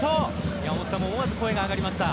山本さんも思わず声が上がりました。